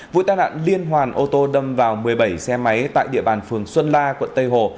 vụ tai nạn liên hoàn ô tô đâm vào một mươi bảy xe máy tại địa bàn phường xuân la quận tây hồ